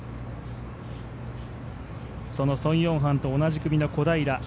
そのソン・ヨンハンと同じ組の小平。